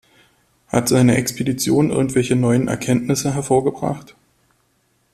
Hat seine Expedition irgendwelche neuen Erkenntnisse hervorgebracht?